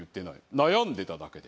悩んでただけで。